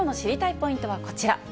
ポイントはこちら。